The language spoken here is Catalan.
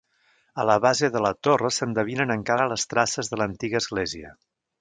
A la base de la torre s'endevinen encara les traces de l'antiga església.